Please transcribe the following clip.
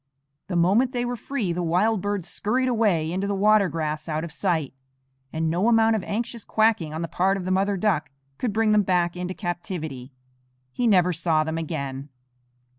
The moment they were free the wild birds scurried away into the water grass out of sight, and no amount of anxious quacking on the part of the mother duck could bring them back into captivity. He never saw them again.